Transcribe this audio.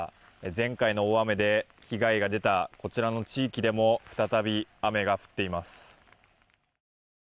前回の大雨で被害が出たこちらの地域でも再び雨が降っています。